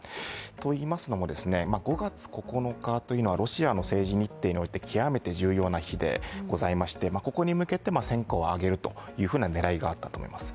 といいますのも５月９日というのはロシアの政治日程において極めて重要な日でございましてここに向けて戦果を挙げるという狙いがあったと思います。